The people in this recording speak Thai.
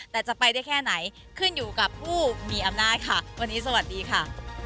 แต่จะไปได้แค่ไหนขึ้นอยู่กับผู้มีอำนาจค่ะวันนี้สวัสดีค่ะ